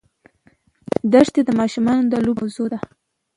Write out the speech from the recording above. دښتې د ماشومانو د لوبو موضوع ده.